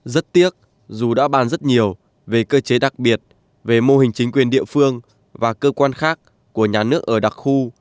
rất tiếc dù đã bàn rất nhiều về cơ chế đặc biệt về mô hình chính quyền địa phương và cơ quan khác của nhà nước ở đặc khu